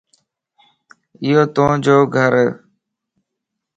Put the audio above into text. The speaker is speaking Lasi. ايوَ تو جو گھر؟